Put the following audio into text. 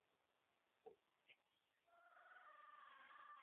Su primer presidente y fundador fue Clotario Blest.